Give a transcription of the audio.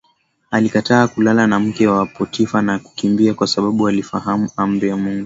alikataa kulala na mke wa potifa na kukimbia kwa sababu alifahamu amri ya Mungu